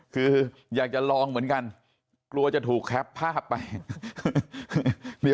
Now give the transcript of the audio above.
คืออยากจะลองเหมือนกันกลัวจะถูกแคปภาพไป